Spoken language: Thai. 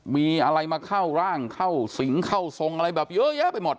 มีอะไรมาเข้าร่างเข้าสิงเข้าทรงอะไรแบบเยอะแยะไปหมด